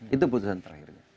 itu keputusan terakhir